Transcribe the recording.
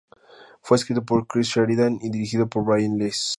Fue escrito por Chris Sheridan y dirigido por Brian Iles.